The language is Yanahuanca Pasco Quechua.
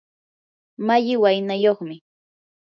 malli waynayuqmi.